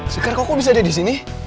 sekarang kok bisa ada di sini